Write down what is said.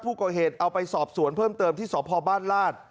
ผู้ก่อเหตุเอาไปสอบสวนเพิ่มเติมที่สพบ้านลาด